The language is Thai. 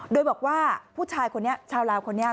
โดยบอกว่าผู้ชายคนนี้ชาวลาวคนนี้